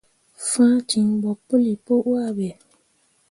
Fãa ciŋ ɓo puli pu wahbe.